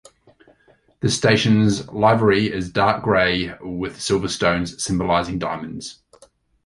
This station's livery is dark grey with silver stones symbolising diamonds.